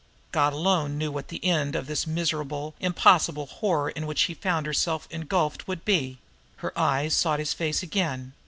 God alone knew what the end of this miserable, impossible horror, in which she found herself engulfed, would be! Her eyes sought his face again.